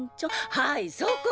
はいそこ！